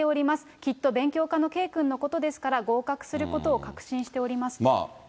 きっと勉強家の圭君のことですから、合格することを確信しておりますと。